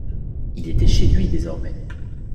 Il était chez lui désormais.